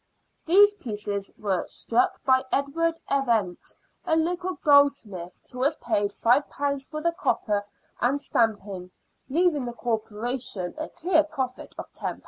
These pieces were struck by Edward Evenet, a local goldsmith, who was paid £5 for the copper and stamping, leaving the Corporation a clear profit of £10.